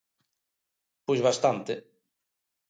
Pois bastante.